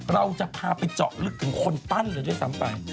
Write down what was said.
เราจะพาไปเจาะลึกถึงคนปั้นเลยด้วยซ้ำไป